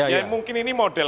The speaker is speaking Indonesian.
ya mungkin ini model